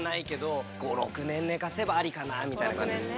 かなぁみたいな感じですね。